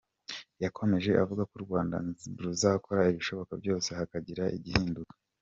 Yakomeje avuga ko u Rwanda ruzakora ibishoboka byose hakagira igihinduka.